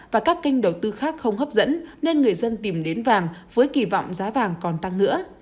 và các kênh đầu tư khác không hấp dẫn nên người dân tìm đến vàng với kỳ vọng giá vàng còn tăng nữa